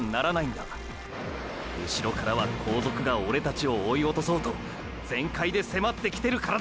うしろからは“後続”がオレたちを追いおとそうと全開で迫ってきてるからだ！！